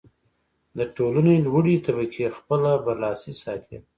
د ټولنې لوړې طبقې خپله برلاسي ساتي.